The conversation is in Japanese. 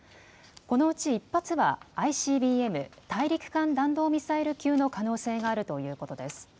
このうち１発はＩＣＢＭ・大陸間弾道ミサイル級の可能性があるということです。